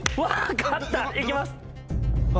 行きます。